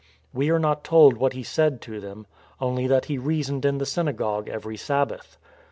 We are not told what he said to them, only that he reasoned in the synagogue every Sabbath.